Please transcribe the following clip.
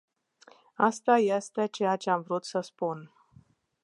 Asta este ceea ce am vrut să spun.